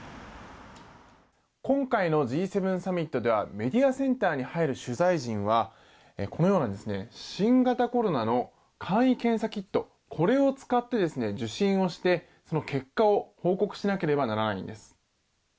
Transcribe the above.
今回のＧ７サミットではメディアセンターに入る取材陣はこのような新型コロナの簡易検査キットこれを使って受診をしてその結果を報告しなければならないんです。